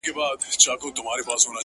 چي مو وركړي ستا د سترگو سېپارو ته زړونه-